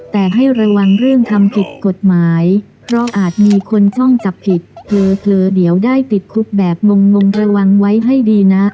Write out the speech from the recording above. แต่ให้ระวังเรื่องทำผิดกฎหมายเพราะอาจมีคนช่องจับผิดเผลอเดี๋ยวได้ติดคุกแบบงงระวังไว้ให้ดีนะ